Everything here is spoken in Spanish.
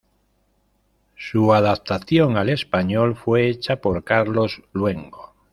Su adaptación al español fue hecha por Carlos Luengo.